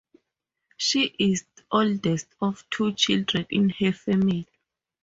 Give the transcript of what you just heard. She is oldest of two children in her family.